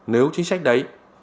nếu chính sách đấy